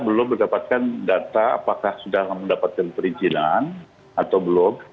belum mendapatkan data apakah sudah mendapatkan perizinan atau belum